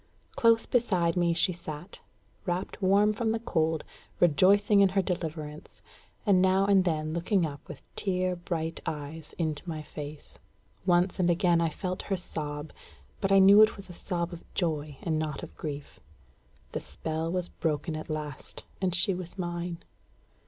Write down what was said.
Close beside me she sat, wrapped warm from the cold, rejoicing in her deliverance, and now and then looking up with tear bright eyes into my face. Once and again I felt her sob, but I knew it was a sob of joy, and not of grief. The spell was broken at last, and she was mine.